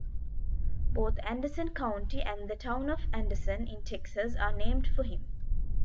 Both Anderson County and the town of Anderson in Texas are named for him.